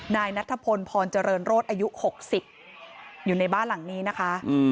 นายนัทพลพรเจริญโรธอายุ๖๐อยู่ในบ้านหลังนี้นะคะ